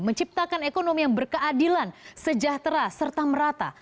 menciptakan ekonomi yang berkeadilan sejahtera serta merata